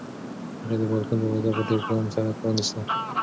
هغې د بالکن دروازه په ډېر پام سره پرانیسته.